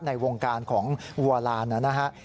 ในวงการของวัวลานนะครับ